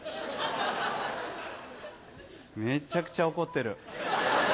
めちゃくちゃ怒ってる。